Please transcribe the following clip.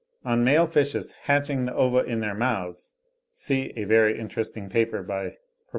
On male fishes hatching the ova in their mouths, see a very interesting paper by Prof. Wyman, in 'Proc.